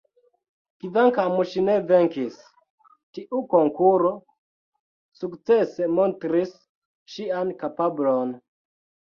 Kvankam ŝi ne venkis, tiu konkuro sukcese montris ŝian kapablon.